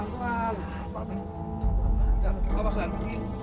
nenek kita berhasil